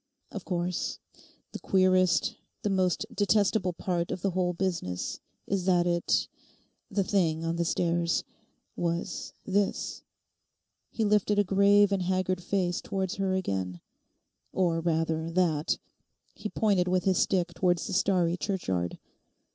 Of course, the queerest, the most detestable part of the whole business is that it—the thing on the stairs—was this'—he lifted a grave and haggard face towards her again—'or rather that,' he pointed with his stick towards the starry churchyard.